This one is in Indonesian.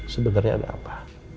sebenernya ada apa